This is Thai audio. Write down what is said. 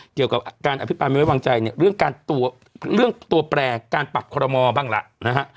เกี่ยวกับการอภิปรายไม่ไว้วางใจเนี่ยเรื่องการตัวเรื่องตัวแปรการปักคอรมอบ้างล่ะนะฮะ